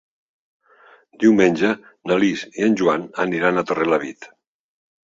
Diumenge na Lis i en Joan aniran a Torrelavit.